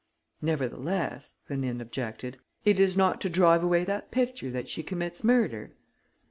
"Nevertheless," Rénine objected, "it is not to drive away that picture that she commits murder?"